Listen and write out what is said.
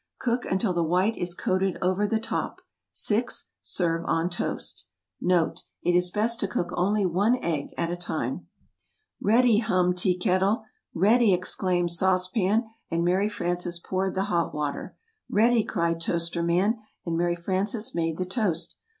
Cook until the white is coated over the top. 6. Serve on toast. NOTE. It is best to cook only one egg at a time. [Illustration: "Ready!"] "Ready!" hummed Tea Kettle. "Ready!" exclaimed Sauce Pan, and Mary Frances poured the hot water. "Ready!" cried Toaster Man, and Mary Frances made the toast.